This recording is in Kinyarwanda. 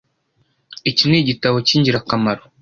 Iki ni igitabo cyingirakamaro.